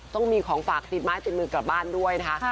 ต้องมีของฝากติดไม้ติดมือกลับบ้านด้วยนะคะ